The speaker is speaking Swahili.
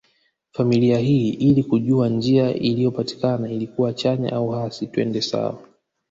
Familia hii ili kujua njia iliyopatikana ilikuwa chanya au hasi twende sawa